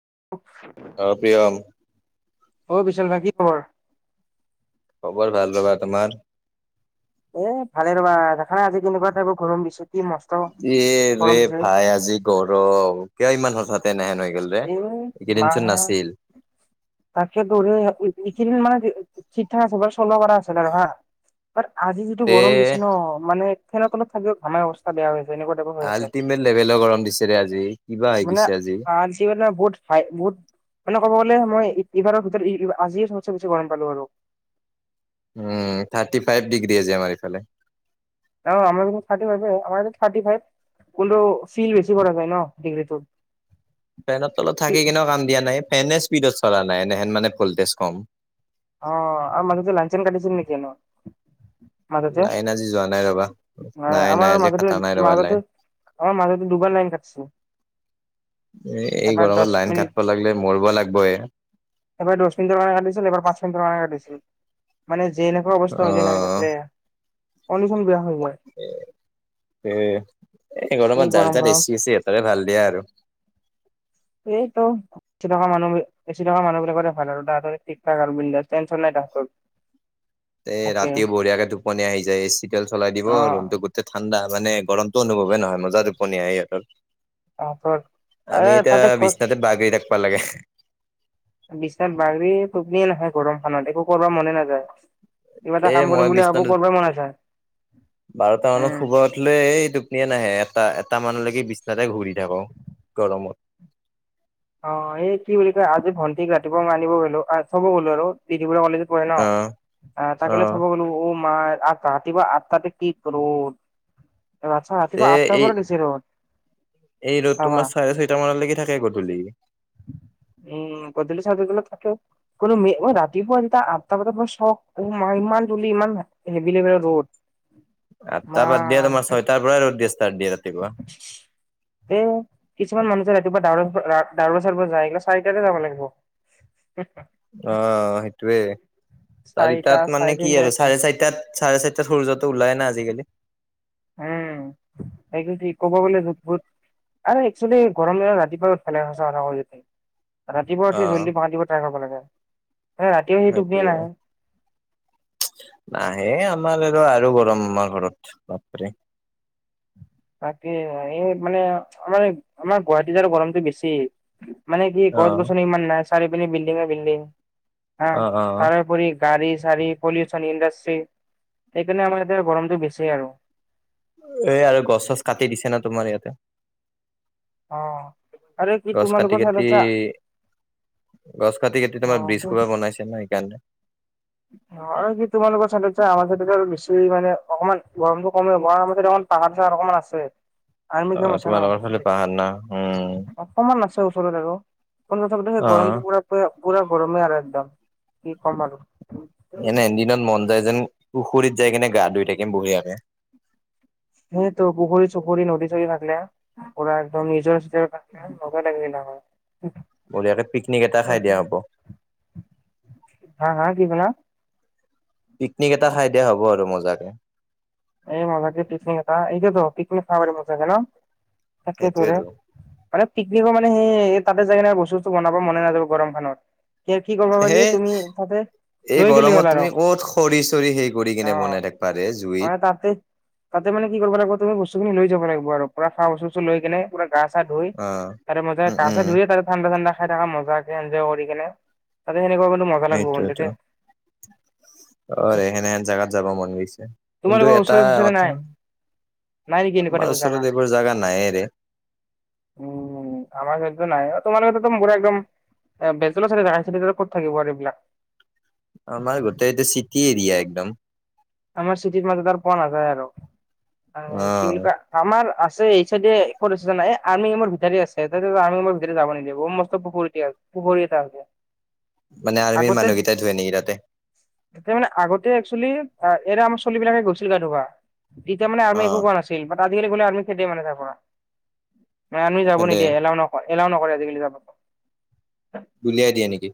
[unintelligible] অহ পিয়াম অও বিশাল ভাই কি খবৰ খবৰ ভাল ৰবাতোমাৰ এ ভালে ৰ'বা দেখানাই আজি কেনেকুৱা টাইপৰ গৰম দিছো এ ৰে ভাই আজি গৰম কিয় ইমান হঠাতে এনে হৈ গ'ল ৰে এই মাহ এইকেইদিনচোন নাছিল তাকে দৌৰে এইকেইদিন মানে চিত থা চবে শ্লো কৰা আছিলো হা বাট আজি যিটো তে গৰম দিছে ন মানে [unintelligible] ফেনৰ তলত থাকিও ঘাম অৱস্থা বেয়া হৈছে আল্টিমেট লেভেলৰ গৰম দিছেৰে আজি কিবা হৈ মানে গৈছে আজি। বহুত চাই বহুত মানে ক'ব গলে মই এইবাৰৰ ভিতৰত আজিয়েই সবচে বেছি গৰম পালো আৰু- উম থাৰ্টি ফাইভ ডিগ্ৰী আজি আমি ফালে অহা আমাৰ দেখাৰ থাৰ্টি ফাইভাৰ থাৰ্টি ফাইভ- কোনো চিল বেছি কৰা যায় ন ডিগ্ৰীটোত। ফেনত তলত থাকি কিনে কাম দিয়া। নাই ফেনে স্পীডত চলা নাই এনেহেন মানে ভল্টেজ কম- অহ আৰু মানুহ লাইন লাঞ্চন কাটিছিল নেকি? ন মাজতে লাইন আজি যোৱা নাই ৰবা মই নাই নাই আমাৰ আজি মাজতে কাটা নাই ৰবা লাইন মাজতে আমাৰ মাজতো দুবাৰ লাইন কাটিছে। এ এই গৰমত লাইন কাটিব লাগিলে মৰিব লাগব হে এবাৰ দচ মিনিটৰ কাৰে কাটিছিল এবাৰ পাচঁ মিনিট। কয় আদি মানে যেনেকুৱা অ অৱস্থা হৈছিল লাইন কাটছিলে অনশ [unintelligible] বিয়া। মই এ গৰমত যাৰ গৰম যাৰ গৰম এছি সিহঁতেৰে ভাল দিয়া আৰু- এইটো এচি থকা মানুহ এচি থকা মানুহ বিলাক কৰে। ভাল আৰু তাহ ঠিক ঠাক আৰু বিনডাছ টেনচন নাই। তাহঁতৰ এ ৰাতি বঢ়িয়াকে টোপনি আহি যায়। এ চি ডাল চলাই দিব অ ৰুমতটো গোটেই ঠাণ্ডা, মানে গৰমতটো অনুভৱে নহয় মজা টোপনি ইহঁতৰ- তাহাঁতৰ আৰু আমি এ এতিয়া তাতে ঘৰত বিশ্বনাতে বঘৰি থাকব লাগে। [unintelligible] বিছনাত বাগৰি টোপনিয়ে নাহে গৰমখনত একো কৰিব মনে নাযায়। কিবা এটা এ কাম কৰিম মই বুলি ভাবো বিছনাত কৰিব মন নাযায় বাৰটা মানত উম শুৱ উঠলে এই- টোপনিয় নাহে এটা এটা মানলৈকে বিছনাতে ঘূৰি থাকো গৰমত অহ এই কি বুলি কয় আজি ভন্টি ৰাতিপুৱা আনিব গ'লো থব গ'লো আৰু- বি বৰুৱা কলেজত পঢ়ে অ ন অ তাকে থব গলো। তোমাৰ আগতো ৰাতি পোৱা আঠ ততে কি ৰদ আচ্ছা তে ৰাতিপুৱা আঠটা এই পৰা দিছে ৰদ এই ৰ'দ ভাবা তোমাৰ চাৰে ছয়টা মানলৈকে থাকে গধূলি। উম উম গধুলি চাৰিটা বজাৰ লৈকে থাকে কোনো ৰাতিপুৱা যেতিয়া আঠটা বজাৰলৈকে মই চক ইমান জল্দি ইমান হেভিলেভিল ৰ'দ। মা আঠটা বাদ দিয়া তোমাৰ ছয়টাৰ পৰাই ৰ'দ দিয়ে ষ্টাৰ্ট দিয়ে ৰাতিপুৱা এ কিছুমান মানুহ যে ৰাতিপুৱা ডায়ৰ [unintelligible] এইিলা চাৰিটাতে যাব লাগিব। অ সেটোৱে চাৰিটা চাৰিটাত চাৰে মানে কি তিনটা আৰু চাৰে চাৰিটাত চাৰে চাৰিটাত সূৰ্যটো ওলাই না আজিকালি। উম এইটো থিক ক'ব বলে ভূত ভূত আৰু এক্সচলি গৰম দিনত ৰাতিপুৱা ৰদ পেলাই সঁচা কথা কৈ দিছো অ ৰাতিপুৱ উি জ্দি পাহা দ ট্ৰাই খাব কৰিব লাগে। ৰাতিও সেই টোপনিয় সেইটোয়ে। নাহে। নাহে আমাৰ আৰু আৰু গৰম আমাৰ ঘৰত বাপৰে। তাকে এই মানে আমাৰ আমাৰ গুৱাহাটীত আৰু গৰমটো বেছি। মানে কি অ গছ গছনি ইমান নাই চাৰি পি বিল্ডিঙে বিল্ডিং হা অ অ তাৰোপৰি। গাড়ী চাৰ়ী পলিউচন ইণ্ডাষ্ট্ৰি সেইকাৰণে আমাৰ ইতিয়া গৰমটো বেছি আৰু- এ আৰু গছ চছ কাটি দিছে না তোমাৰ ইয়াতে- অ। আৰু কি গছ তোমালোকৰ কাটি চাইডত চা কাটি- গছ কাটি কাটি অ তোমাৰ বিজ খোবা বনাইছে ন সেইকাৰণে- ন কি তোমালোকৰ চ আম বেছি মানে অকমান গৰমতটো কমে- বাগান চগান অকমান আছে। আমি কম অ আছে ন তোমালোকৰ ফালে পাহাৰ না উম অকমান আছে। ষ [unintelligible] পোন্ধৰ [unintelligible] অ দগৰমটো প পুৰা গৰমে আৰু একদম কি কম আৰু এনে দিনত মন যায় যেন পুখুৰীত যাই কিনে গা ধুই থাকিম বঢ়িয়াকে। সেই তোৰ পুখুৰী, চুখুৰী নদী, চদী থাকলে পোৰা একদম নিজৰ- লগা লাগিলে [unintelligible] আমাৰ বঢ়িয়াকে পিকনিক এটা খাই দিয়া হ'ব হা হা কি কলা। পিকনিক এটা খাই দিয়া হ'ব আৰু মজাকে- এই মজা কে পিকনিক এটা এইটোত পিকনিক খ মজাছে ন তাকেই তো ৰে সেইটোয়েতো মানে। পিকনিকৰ মানে সেই তাতে যায় কিনে বস্তুটো বনাব মনে নাযাব গৰম খনত- কি কি কবা হে পাৰি তুমি ততে এই গৰমত তুমি ক'ত খৰি চৰি হেই কৰি কিনে অ বনাই থাক পাৰে। মানে তাতে তাতে মানে কি কৰিব লাগিব তুমি বস্তুখিনি লৈ যাব লাগিব আৰু পোৰা খোৱা বস্তু চস্তু লৈ কেনে- পোৰা গা চা ধুই অ তাৰে মাজে উম উম গা ধুইে তাৰে ঠাণ্ডা ঠাণ্ডা, খাই থকা মজাকে এনজয় কৰি কেনে তাতে সেনেকুৱা কিন্তু মজা লাগব কিন্তু দেই- অহেনহেন জোগাত যাব মন গৈছে কিন্তু তোমালোকৰ এটা ওচৰে চোচৰে কথা নাই নাই নেকি এনেকুৱা আমাৰ টাইপৰ জাগা? ওচৰত এইবোৰ জাগা নাইৰে। উম আমাৰ সেইতো নাই তোমালোকো পুৰাএকদম বেজ চ ক'ত থাকিব আৰু এইবিলাক আমাৰ গোটেই এইটো চিটি এৰিয়া একদম আমাৰ চিটিৰ মাজ পোৱা না যায় আৰু কি বুলি অ' ক আমাৰ ছে এইচাইডে কত আছে জানা আৰ্মিম ভিতৰে আছে আৰ্মমৰ ভিতৰে যাব নিদে বহু সম- [unintelligible] কোৱাৰি এটা মানে আৰ্মিৰ আগতে মানুহকেইটাই ধুৱে নেকি তাতে আ মানে আগতে একচেলি অ এতিয়া আমাৰ ছোৱালী বিলাকে গৈছিল গা ধোবা তেতিয়া মানে আমি একো অ' কোৱা নাছিল- আজিকালি গ'লে আমিৰ্ম খেদে মানে যাব পৰা মানে আমি যাব তেন্তে নিদিয়ে এলাও নকয়- এলাও নকৰে আজিকালি যাব ণ্ডলীযা দিয়া নেকি?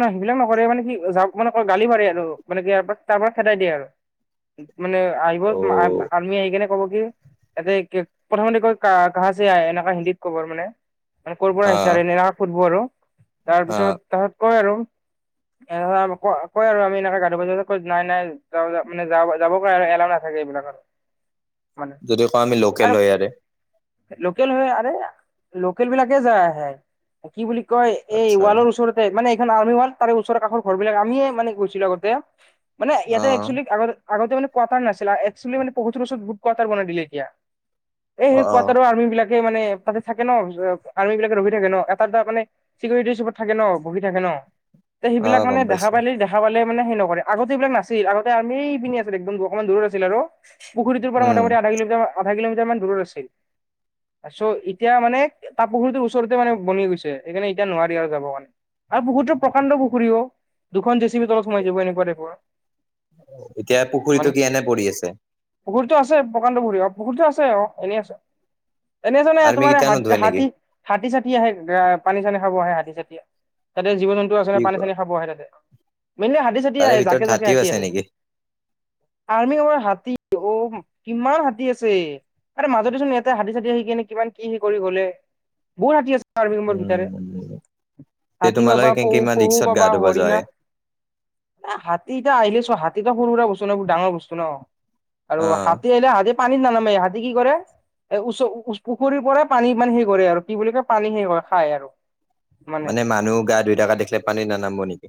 নহয় নহয় সেইবিলাকৰে মানে কি যাক মানে গালি পাৰাৰে আৰু মানে কি ই তাৰ পৰা খেদাই দিয়ে আৰু মানে আহিব অ' আৰ্মি আহি কেনে- কব কি ততে প্ৰথমতে কয় ক কাহছে আই হিন্দীত কবৰ মানে- মানে কৈ পৰা আহিচা অ' এনে সোধব আৰু অ' তাৰপিছত তাৰপিছত কয় আৰু- এ ক কয় আৰু আমি এনেকে গাাধু বাজা ক নাই নাই য মানে যাব পাৰে আৰু এলাও নাথাকে [unintelligible] এইবিলাক মানে যদি কওঁ আমি লোকেল আৰু হয় ইয়াৰে। লোকেল হৈ আৰে লোকেল বিলাকে যায় আহে কি বুলি কয় এই আচ্ছা ৱালৰ ওচৰৰত- মানে এইখন আৰ্মি ৱ তাৰে ওচৰ কাৰ ঘৰ বিলাক আমিয়ে মানে গৈছিলো আগতে মানে ইয়াতে অ' এক্চুৱেলি আগত- আগতে মানে কতাৰ নাছিলচ মান এক্সলি ভহুত কতাৰব নিলি এতিয়া। এই সেই অ' অ' কটাৰো আৰ্মি বিলাক- মানে তাতে থাকে ন আৰ্মি বিলাকে ৰখি থাকে ন এটা এটা মানে চিকিউৰিটিৰ চপত থাকে ন। বহি থাকে ন তে সেইবিলাক অ' মানে গম দেখা পাইছো পালি দেখা পালে মানে সে নকৰে আগতে এইবিলাক নাছিল আগতে আমি পিন আছিল একদম অকমান দূৰত আছিল আৰু পুখুৰীটোৰ পৰা উম মোটামুটি আধা কিলাৰ আধা কিলোমিটাৰ মান দূৰত আছিল। চ এতিয়া মানে তাপুখুৰীটোৰ ওচৰতে মানে বনি গৈছে সেইকাৰণে এতিয়া নোৱাৰি আৰু যাব মানে আৰু পুখুৰীতটো প্ৰকাণ্ড পুখুৰীও দুখন জেচিবিৰ তলত সোমাই যাব এনেকুৱা তাইপৰ এতিয়া পুখুৰীতটো কি এনে পৰি আছে। পুখুৰীতটো আছে প্ৰকাণ্ড পুখুৰী অ পুখুৰীতটো আছে অ এনেই আছে। এনে জানে আৰ্মি তোমাৰ কেইটা হ নোধোৱে নেকি? হাতী হাতী চাতি আহে পানী চানী খাব আহে হাতী চাতি তে জীৱ জন্তু কি আছে পানী কোৱা চানী খাবহে তাতে মনলে হাতী চতি তাৰে আহে ভিতৰত জাকে জাকে হাতীও হাতী আছে আহে নেকি? আৰ্মি কেম্পট আমাৰ হাতী অ কিমান হাতী আছে। আ মাজতেচোন এয়াতে হাতী চাতী আহি কিনে কিমান কি হি কৰি গলে বহুত হাতী আছে। আৰ্মি কেম্পৰ উম ভিতৰে ভাল হাতী পাবা পহু পহু পাবা হৰিণা হাতীটা আহিলে চ হাতীত সৰু সুৰা বস্তু ন ডাঙৰ বস্তু ন আৰু অ' হাতী আহিলে হাতী পানীত নানামে ই হাতী কি কৰে এ ওচ পুখুৰীৰ পৰাই পানী পানী সে কৰে আৰু কি বুলি কয় পানী সে কৰে খায় আৰু মানে মানুহ গা ধুই থকা দেখিলে পানী নানামিব নেকি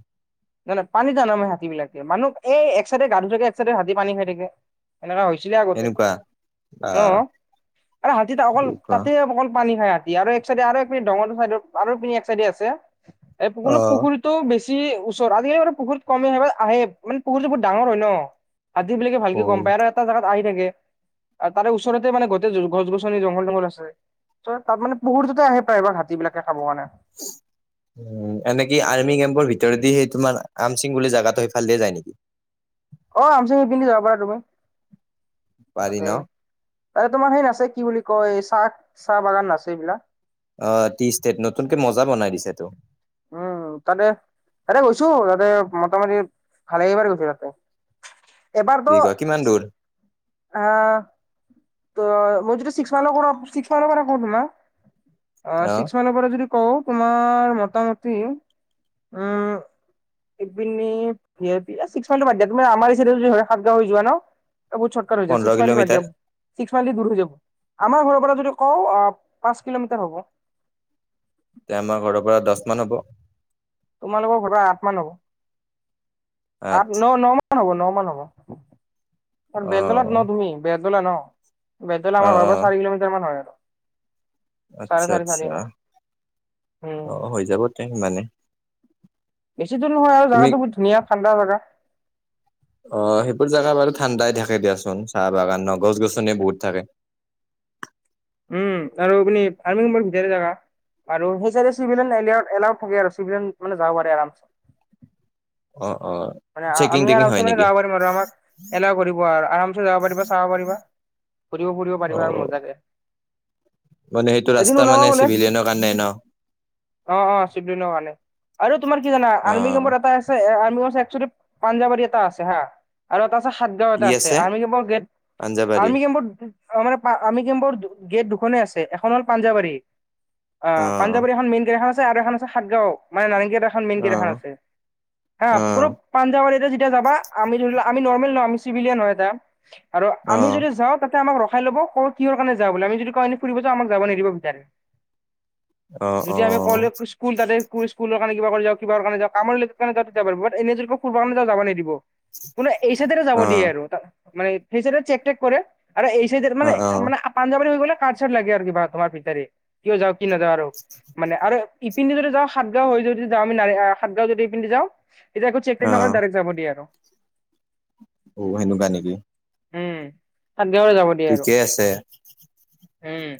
নয় পানী জান নমে হাতী বিলাকে মানুহ এই এক চাইডে গা ধুই থাকে এক চাইডে হাতী পানী খাই থাকে। এনেকা হৈছিলে আগতে এনেকুৱা অ আহ আৰে হাতীত অকল কি কোৱা তাতে অকল পানী খাই আ আৰু এক চাইডে আৰু পিঙৰটো চাইডৰ আৰু পি এক চাইডে আছে এই কোনো অ পুখুৰীটো‌ বেছি ওচৰ আজিকালি মানে পুখুৰীত কম আহ আহে মানে পুখুৰীটো বহু ডাঙৰ হয় ন আজি বেগে অ ভালকে গম পায় আৰু এটা জেগাত আহি থাকে। আৰু তাৰে ওচৰতে মানে গোটেই গছ গছনি জংঘল জংঘল আছে। ত তাত মানে পহুৰ্তে আহে প্ৰায়বাৰ হাতী বিলাকে খাব মানে। উ এনেকি আৰ্মি কেম্পৰ ভিতৰদি সেই তোমাৰ আম সিং বুলি জেগাটো সেইফালে দিয়ে যায় নেকি অ আম চি পিন্ধি যাব পাৰা তুমি পাৰি ন তাতে তাতে তোমাৰ সেই নাছে কি বুলি কয়। চাহ চাহ বাগান নাছে এইবিলাক অ টি ষ্টেট নতুনকে মজা বনাই দিছে টো উম তাতে তাতে গৈছো তাতে মোটামুটি ভালেগিবাৰ গৈছো তাতে এবাৰ কি দ কয় কিমান দূৰ আহ ত মই যদি ছিক্স মাইলৰ পৰা ছিক্স মাইলৰ পৰা কৰো ন অ অক্স মান পৰা যদি কও তোমাৰ মোটামুটি উম এইপিনে ছিক্স মাইলৰ বাদ দিয়া তুমি আমাৰ ই সাতগাঁও হৈ যোৱা ন এ বুত চটকাৰ হৈ য ছিক্স পোন্ধৰ মাৰ কিলোমিটাৰ দিম ছিক্স মাইল দূৰ হৈ যাব আমাৰ ঘৰৰ পৰা যদি কওঁ পাঁচ কিলোমিটাৰ হ'ব। এতিয়া আমাৰ ঘৰৰ পৰা দহ মান হ'ব। তোমালোকৰ ঘৰ আঠ মান হব আঠ ন ন মান হ'ব ন মান হ'ব অ বেলতলত ন তুমি ব বেদলা ন বেদলা অ আমাৰ ঘৰৰ অ পৰা চাৰি কিলোমিটাৰ মান হয় আৰু চাৰে আচ্ছা চাৰি চাৰি আচ্ছা এনেকুৱা অ উম। হৈ যাব তে সিমানে বেছি দূৰ নহয় আৰু তুমি জগাত বহু ধুনীয়া ঠাণ্ডা জাগা অ সেইবোৰ জেগা বাৰু ঠাণ্ডাই থাকে দিয়াচোন চাহ বাগান ন গছ গছনি বহুত থাকে উম আৰু আপনি ফাৰ্মিংচাৰ জা আৰু সেই চিভিলন এ এলাউড থাকে আৰু চিভিয় মানে যাব পাৰে আৰামচ অ অ মানে চেকিং আমি ইয়াৰ টেকিং আৰমছে হয় নেকি যাব পাৰিম আৰু এলা কৰিব আৰু আৰামচে যাব পাৰিবা চাব পাৰিবা ঘুৰিব ফুৰিব পাৰিবা আৰু অ মজাকে মানে সেইটো এদিন ৰাস্তা ওলাব মানে বোলে চিভিলিয়ানৰ কাৰণে ন অ অ চিবলিনৰ কাৰণে আৰু তোমাৰ কি জানা আৰ্মি কেমৰ অ এটা আছে আৰ্মি একেল পাঞ্জাবাৰী এটা আছে হা আৰু এটা সাতগাঁও এটা আছে আৰ্মি কেম্পৰ গেট পাঞ্জাবাৰী আৰ্মি কেম্পৰ মানে গেট দুখনেই আছে এখন হ'ল পাঞ্জাৱাৰী অ পাঞ্জাবাৰী এখন মেইন গেট এখন আৰু এখন আছে সাতগাঁও মানে নাৰেংগীত এখন মেইন অ গেট এখন আছে হা অ কোনো তি যেতিয়া যাবা আমি ধৰি লও আমি নৰ্মেল নহ আমি চিভিলিয়ান হয় এটা আৰু অ অ আমি যদি যাওঁ তাতে আমাক খাই ল'ব ক কিহ কাৰণ য বলে আমি যদি কওঁ এনে ফুৰিব যা আমাক যাব নিদিব ভিতাৰে অ অ যদিয়া আমি কলেজ স্কুল তাতে স্কুলৰ কাৰণে কিবা কৰি যাও কিবা কাৰণে কাম যাব পাৰ এনে কব কাৰণে যাব নিদিব কোনো এইচতে যাব দিয়ে আৰু মান সেইচতে চেকটেক কৰে আৰু এই চাইডে অ অ মানে মানে অ পাঞ্জাবাৰী হৈ গ'লে কাঠ চাৰ্ লাগে আৰু কিবা তোমাৰ পিতাৰে কিয় যাওক। কেনেকা আৰু মানে আৰে ইপিনেদি যদি যাও সাতগাও হৈ যদি যাও আমি সাতগাও যদি ইপিনেদি যাও তেতিয়া আক চেক নকৰে ডাইৰেক্ট যাব দিয়ে আৰু। অ সেনেকোৱা নেকি। উম সাত গাওৱে যাব দিয়ে আৰু ঠিকে আছে উম।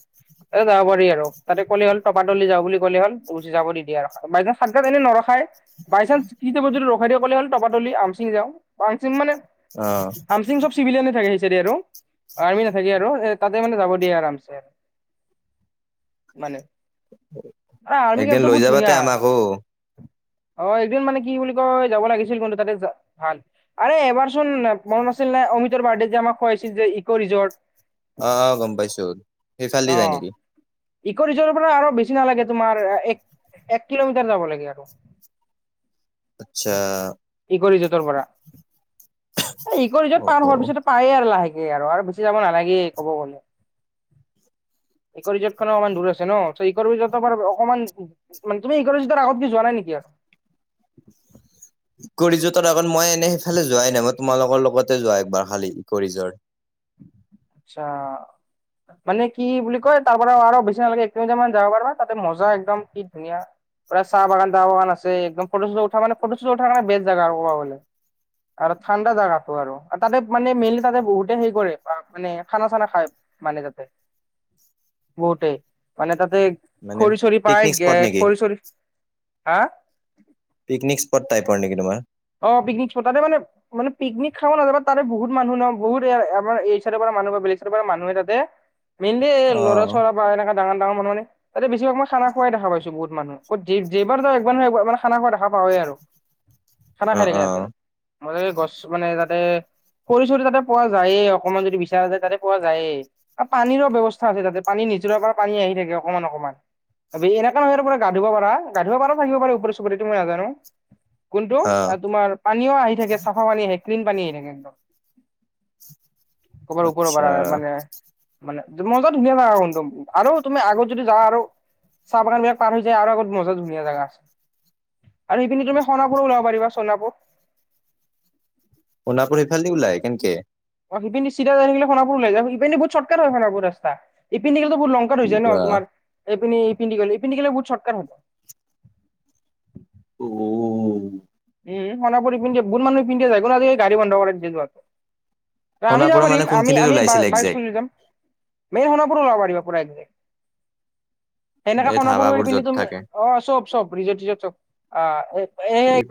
এ যাব পাৰি আৰু তাতে কলে হ'ল তপাতলি যা বুলি ক'লে হ'ল পুলিচ যাব নিদিয়ে আৰু মানে সাতা‌ গাওত এনে নৰখাই। বাইচান্স কি টাইমত যদি ৰখাই দিলে হ'ল টপাতলি আমচিং যাওঁ। হামচিং মানে অ হামচিং চব চিভিলিয়ানে থাকে সেই যদি আৰু আৰ্মি নাথাকে আৰু তাতে মানে যাব দিয়ে আৰামছে আৰু। মানে এ আৰ্মি একদিন কেমটো লৈ বহুত যাবাতে ধুনীয়া। আমাকো অ এদিন মানে কি বুলি। যাব লাগিছিল কিন্তু তাতে ভাল আৰে এবাৰ চোন মনত আছিল নে অমিতৰ বাৰ্থডে যে আমাক খোৱাই খোৱাইছিল‌ যে ইকো ৰিজৰ্ট অ অ গম পাইছোঁ সেইফালেদি যায় অ'। নেকি। ইক' ৰিজটৰ পৰা আৰু বেছি নালাগে তোমাৰ এক এক কিলোমিটাৰ যাব লাগে আৰু। আচ্ছা কি কৰিছা তাৰ পৰা। এ ইক ৰিজৰ্ট অ পাৰ অ হোৱাৰ পিছতে পায়ে আৰু লাহেকে আৰু আৰু বেছি যাব নালাগে ক'ব গ'লে। ইক ৰিজৰ্ট খনে অকমান দুৰ আছে ন চ ইক ৰিজৰ্ট অকণমান তুমি ইক ৰিজৰ্টৰ আগত কি যোৱা নাই নেকি। আৰু [inaudible] ইক ৰিজৰ্টত আগত এনে সেইফালে যোৱা নাই মই তোমাৰ লগৰ লগতে যোৱা এক বাৰ খালি ইক ৰিজৰ্ট। আচ্ছা। মানে কি বুলি কয় তাৰ পৰা আৰু বেছি নালাগে এক কিলোমিটাৰ মান যাব পাৰিবা তাতে মজা একদম কি ধুনীয়া চাহ বাগান টাহ বাগান আছে একদম ফটো চটো উঠা মানে ফটো চটো উঠাৰ বেষ্ট জাগা আৰু ক'ব গ'লে। আৰু ঠাণ্ডা জাগাটো আৰু তাতে মানে মেইনলি তাতে বহুতে হেৰী কৰে। মানে খানা চানা খায় মানে তাতে বহুতে মানে তাত মানে খৰিচৰি পায় পিকনিক গে স্পট নেকি খৰিচৰি হা পিকনিক স্পট টাইপৰ নেকি তোমাৰ। অ পিকনিক স্পট তাতে মানে পিকনিক খাব নাযায়া তাতে বহুত মানুহ ন বহুত আমাৰ এই চাইডৰ পৰা মানুহ বা বিলিচৰ পৰা মানুহে তাতে মেইনলি এই অ ল'ৰা বা এনেকোৱ ডাঙৰ ডাঙৰ মানুহ মানে তাতে বেছিভাগ মই খানা খোৱাই দেখা পাইছোঁ বহুত। মানুহ ক'ত যেইবাৰ যাওঁ একবাৰ নহয় একেবাৰ‌ মানে খানা খোৱা দেখা পাওৱে আৰু। খানা অ খাই থাকে অ ইয়াতে মানে গছ মানে তাতে খৰি চৰি তাতে পোৱা যায়ে অকণমান যদি বিচাৰ আছে তাতে পোৱা যায়ে। আৰু পানীৰো ব্যৱস্থা আছে তাতে পানী নি জৰাৰ পৰা পানী আহি থাকে অকণমান অকণমান। এনেকা নহয় পুৰা গা ধুব পাৰা গা ধুব পাৰা থাকিব পাৰে ওপৰে চুপৰেটো মই নাজানোঁ। কোনটো অ তোমাৰ পানীও আহি থাকে চাফা পানী আহে ক্লিন পানী আহি থাকে একদম। ক'বাৰ ওপৰৰ পৰা আচ্ছা মানে মানে। মজা ধুনীয়া জাগা কিন্তু আৰু তুমি আগত যদি যাওঁ আৰু। চাহ বাগান বিলাক পাৰ হৈ যায় আৰু আগত মজা ধুনীয়া জেগা আছে আৰু সেইপিনি তোমাৰ। সোনাপুৰ ওলাব পাৰিবা সোনাপুৰ। সোনাপুৰ সেইফাল দি ওলাই কেনকে। অ সিপিনে চিধা যায় থাকিলে সোনাপুৰ ওলাই যায়। সেইপিনে বহুত চৰ্টকাট হয় সোণাপুৰ ৰাস্তা ইপিনে দি গ'লে তো। দুৰ লংকাত কি হৈছে ন কোৱা তোমাৰ। এই পিনে এই পিনদি গ'লে এই পিনদি গ'লে বহুত চটকাট হ'ব। উ। উম মান সোনাপুৰ এইপিনদি বহুত মানুহ এই পিন্ধে যাই কোনোবা এই গাড়ী বন্ধ কৰাই দিছিল যোৱাটো। আমি যাব সোণাপুৰৰ মানে পাৰিম আমি কোনখিনিত আমি ওলাইছিল বাই একজেক্ট ইস্কুটি যাম। মেইন সোণাপুৰো উলাব পাৰিব পুৰা এক ঘন্টাত। সেনেকাে এই সোণাপুৰ হৈ ধাবাবোৰ য'ত এইপিনে তুমি থাকে অ চব চব ৰিজৰ্ট টিজট আহ। কি কোৱা এক